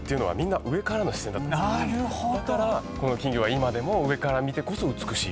だからこの金魚は今でも上から見てこそ美しい。